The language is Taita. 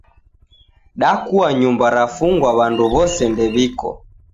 Dakua nyumba rafungwa w'andu w'ose ndew'iko